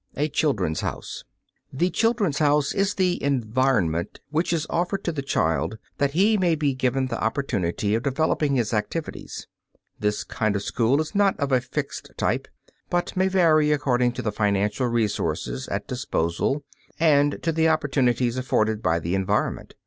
A "CHILDREN'S HOUSE" The "Children's House" is the environment which is offered to the child that he may be given the opportunity of developing his activities. This kind of school is not of a fixed type, but may vary according to the financial resources at disposal and to the opportunities afforded by the environment.